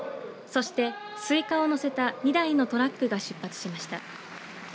そして、スイカを載せた２台のトラックが出発しました。